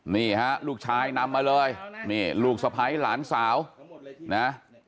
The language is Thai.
นี่ฮะลูกชายนำมาเลยนี่ลูกสะพ้ายหลานสาวนะ